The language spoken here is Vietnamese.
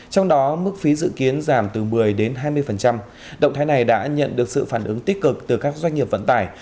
trong đó mức phí dự kiến giảm từ một mươi đến hai mươi động thái này đã nhận được sự phản ứng tích cực từ các doanh nghiệp vận tải